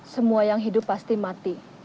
semua yang hidup pasti mati